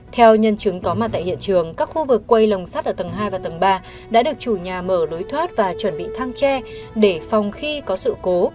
theo nhân chứng có mặt tại hiện trường các khu vực quay lồng sắt ở tầng hai và tầng ba đã được chủ nhà mở lối thoát và chuẩn bị thang tre để phòng khi có sự cố